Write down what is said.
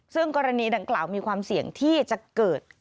ซึ่งกรณีดังกล่าวมีความเสี่ยงที่จะเกิด